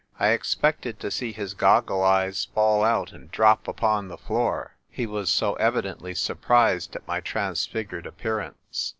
I expected to see his goggle eyes fall out and drop upon the floor : he was so evidently surprised at my transfigured appear ance.